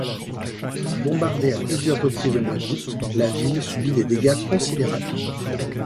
Bombardée à plusieurs reprises au mois d'août, la ville subit des dégâts considérables.